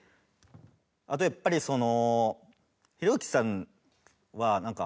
あとやっぱりその。